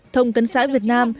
thông cấn sãi việt nam